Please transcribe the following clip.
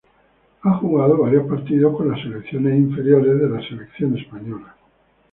Ha jugado varios partidos con las selecciones inferiores de la selección española